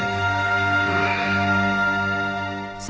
うん。